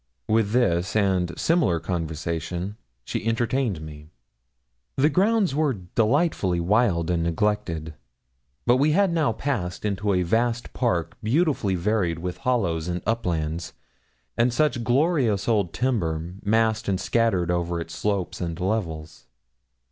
With this and similar conversation she entertained me. The grounds were delightfully wild and neglected. But we had now passed into a vast park beautifully varied with hollows and uplands, and such glorious old timber massed and scattered over its slopes and levels.